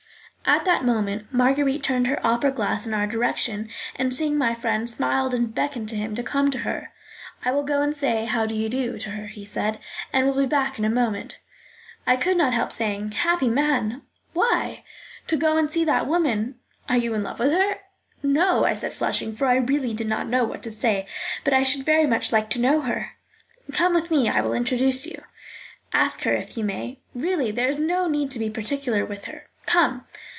At that moment Marguerite turned her opera glass in our direction and, seeing my friend, smiled and beckoned to him to come to her. "I will go and say 'How do you do?' to her," he said, "and will be back in a moment." "I could not help saying 'Happy man!'" "Why?" "To go and see that woman." "Are you in love with her?" "No," I said, flushing, for I really did not know what to say; "but I should very much like to know her." "Come with me. I will introduce you." "Ask her if you may." "Really, there is no need to be particular with her; come."